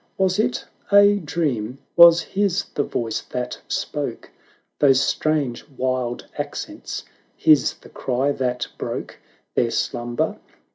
Was it a dream ? was his the voice that spoke Those strange wild accents; his the cry that broke Their slumber?